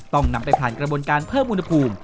ต้องนำไปผ่านกระบวนการเพิ่มอุณหภูมิ